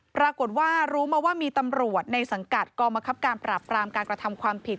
ปรากฏว่ารู้มาว่ามีตำรวจในสังกัดกองมะครับการปราบปรามการกระทำความผิด